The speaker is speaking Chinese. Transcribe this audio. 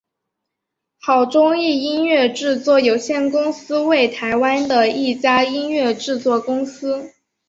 好钟意音乐制作有限公司为台湾的一家音乐制作公司。